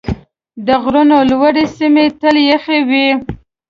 د غرونو لوړې سیمې تل یخ وي.